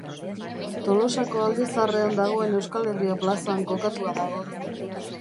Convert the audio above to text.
Tolosako Alde Zaharrean dagoen Euskal Herria plazan kokatua dago.